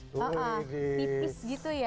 tipis gitu ya